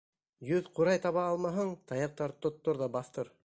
Йөҙ ҡурай таба алмаһаң, таяҡтар тоттор ҙа баҫтыр!